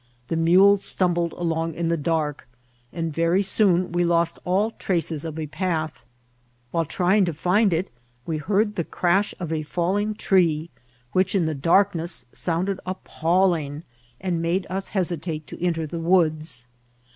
The nudes stumbled along in die dacrk, and Tery soon we lost all traces of a path ; while trying to find it, we heard the crash of a foiling tree, which in the darkneai sounded appalling, and made us hesitate to enter the woods.